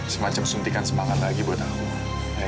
semacam suntikan semangat lagi buat aku